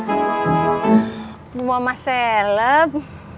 ibu mama seleb